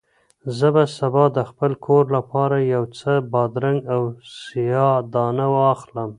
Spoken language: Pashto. زه به سبا د خپل کور لپاره یو څه بادرنګ او سیاه دانه واخلم.